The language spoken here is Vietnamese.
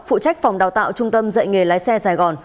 phụ trách phòng đào tạo trung tâm dạy nghề lái xe sài gòn